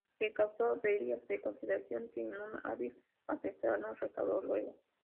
Le causó averías de consideración, que un hábil artesano restauró luego.